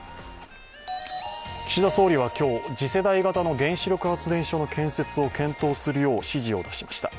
岸田総理は今日、次世代型の原子力発電所の建設を検討するよう指示しました。